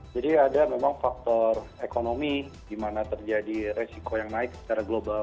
jadi ada memang faktor ekonomi di mana terjadi resiko yang naik secara global